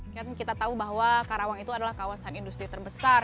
kan kita tahu bahwa karawang itu adalah kawasan industri terbesar